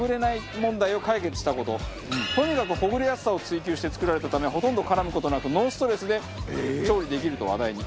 とにかくほぐれやすさを追求して作られたためほとんど絡む事なくノーストレスで調理できると話題に。